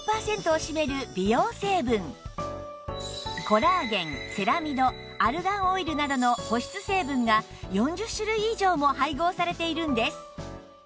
コラーゲンセラミドアルガンオイルなどの保湿成分が４０種類以上も配合されているんです